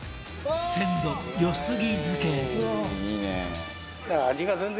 鮮度よすぎ漬け